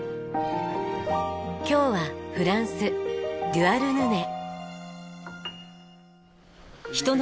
今日はフランスドゥアルヌネ。